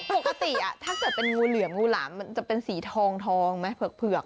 ปกติถ้าจะเป็นงูเหลืองงูหลามจะเป็นสีทองเผือก